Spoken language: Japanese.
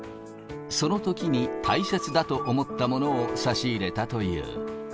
そのときに大切だと思ったものを差し入れたという。